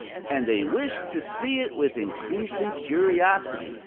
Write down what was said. and they wished to see it with increased curiosity.